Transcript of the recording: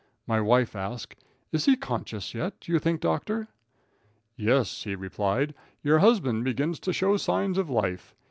My wife asked: "Is he conscious yet, do you think, doctor?" "Yes," he replied, "your husband begins to show signs of life.